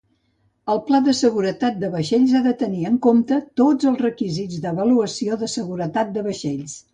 El pla de seguretat de vaixells ha de tenir en compte tots els requisits de l'avaluació de seguretat de vaixells.